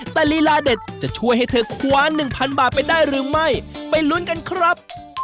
แต่ลีลาเด็ดจะช่วยให้เธอคว้าหนึ่งพันบาทไปได้หรือไม่ไปลุ้นกันครับ